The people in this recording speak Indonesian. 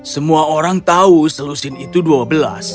semua orang tahu selusin itu dua belas